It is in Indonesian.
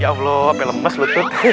ya allah apel lemes lutut